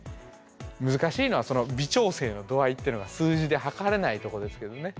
難しいのはその微調整の度合いっていうのが数字ではかれないとこですけどね